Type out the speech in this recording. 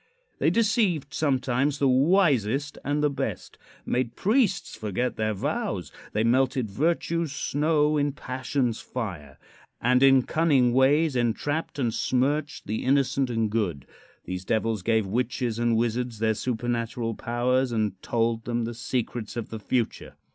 They deceived sometimes the wisest and the best; made priests forget their vows. They melted virtue's snow in passion's fire, and in cunning ways entrapped and smirched the innocent and good. These devils gave witches and wizards their supernatural powers, and told them the secrets of the future.